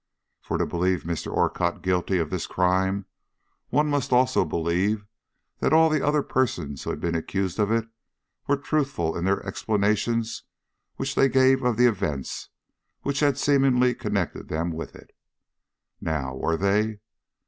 For to believe Mr. Orcutt guilty of this crime one must also believe that all the other persons who had been accused of it were truthful in the explanations which they gave of the events which had seemingly connected them with it. Now, were they?